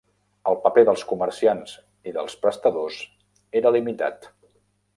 El paper dels comerciants i dels prestadors era limitat.